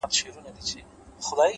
مثبت لید خنډونه کوچني کوي.!